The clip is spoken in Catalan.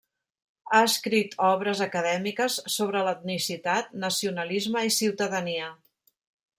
Ha escrit obres acadèmiques sobre l'etnicitat, nacionalisme i ciutadania.